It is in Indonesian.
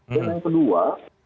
dan yang kedua